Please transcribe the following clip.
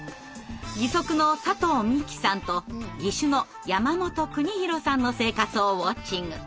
義足の佐藤未希さんと義手のやまもとくにひろさんの生活をウォッチング。